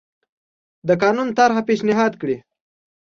د قانون طرحه پېشنهاد کړي.